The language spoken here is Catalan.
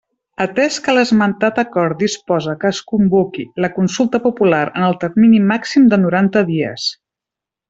Atès que l'esmentat acord disposa que es convoqui la consulta popular en el termini màxim de noranta dies.